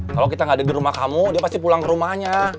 kalau kita nggak ada di rumah kamu dia pasti pulang ke rumahnya